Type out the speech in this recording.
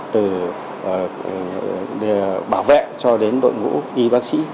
từ bảo vệ cho đến đội ngũ y bác sĩ